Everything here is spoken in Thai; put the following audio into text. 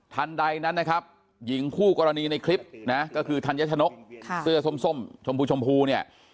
ทันใดนั้นนะครับหญิงคู่กรณีในคลิปนะก็คือธัญชนกเสื้อส้มชมพูชมพูเนี่ย